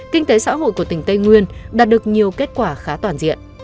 kinh tế xã hội của tỉnh tây nguyên đạt được nhiều kết quả khá toàn diện